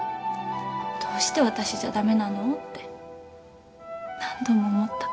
どうして私じゃ駄目なの？って何度も思った。